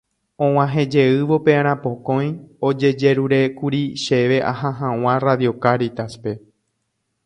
Og̃uahẽjeývo pe arapokõi ojejerurékuri chéve aha hag̃ua Radio Cáritas-pe.